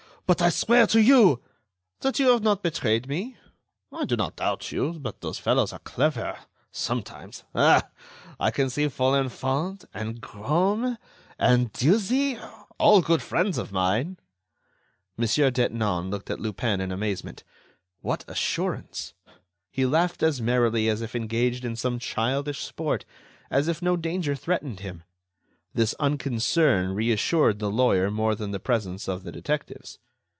"But I swear to you—" "That you have not betrayed me?... I do not doubt you, but those fellows are clever—sometimes. Ah! I can see Folenfant, and Greaume, and Dieuzy—all good friends of mine!" Mon. Detinan looked at Lupin in amazement. What assurance! He laughed as merrily as if engaged in some childish sport, as if no danger threatened him. This unconcern reassured the lawyer more than the presence of the detectives.